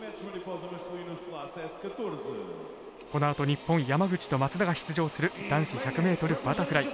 このあと日本山口と松田が出場する男子１００ｍバタフライ。